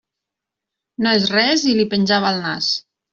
No és res, i li penjava el nas.